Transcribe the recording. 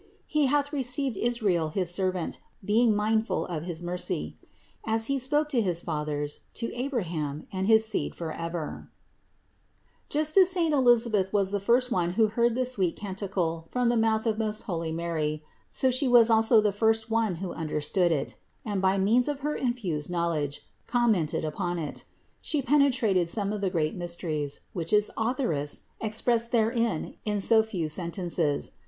54. He hath received Israel, his servant, being mindful of his mercy; 55. As He spoke to our fathers, to Abraham and his seed forever/' 222. Just as saint Elisabeth was the first one who heard this sweet canticle from the mouth of most holy Mary, so she was also the first one who understood it and, by means of her infused knowledge, commented upon it. She penetrated some of the great mysteries, which its Authoress expressed therein in so few sen tences.